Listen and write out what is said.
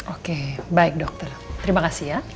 oke baik dokter terima kasih ya